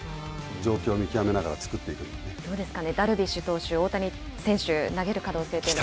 状況を見極めながら作っていくんどうですかね、ダルビッシュ投手、大谷選手、投げる可能性というのは？